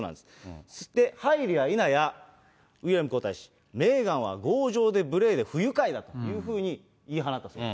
入るや否や、ウィリアム皇太子、メーガンは強情で無礼で不愉快だというふうに言い放ったそうです。